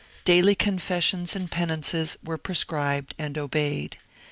Daily confessions and penances were prescribed and obeyed.